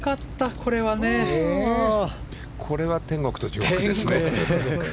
これは天国と地獄ですね。